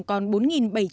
còn bốn bảy trăm linh đồng